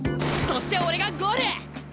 そして俺がゴール！